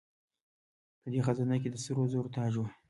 په دې خزانه کې د سرو زرو تاج و